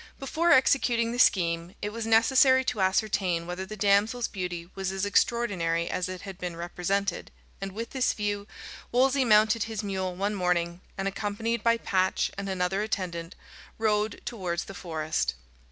Before executing the scheme, it was necessary to ascertain whether the damsel's beauty was as extraordinary as it had been represented; and with this view, Wolsey mounted his mule one morning, and, accompanied by Patch and another attendant, rode towards the forest.